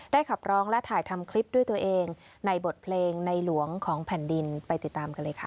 ขับร้องและถ่ายทำคลิปด้วยตัวเองในบทเพลงในหลวงของแผ่นดินไปติดตามกันเลยค่ะ